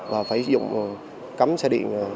và phải sử dụng cắm xe điện